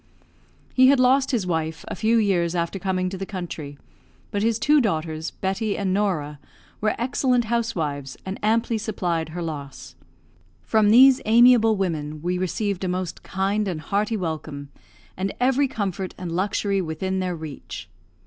He had lost his wife a few years after coming to the country; but his two daughters, Betty and Norah, were excellent housewives, and amply supplied her loss. From these amiable women we received a most kind and hearty welcome, and every comfort and luxury within their reach.